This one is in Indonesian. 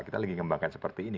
kita lagi kembangkan seperti ini